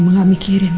gimana mau minggirin